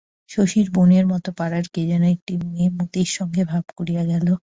শশীর বোনের মতো পাড়ার কে যেন একটি মেয়ে মতির সঙ্গে ভাব করিয়া গেল।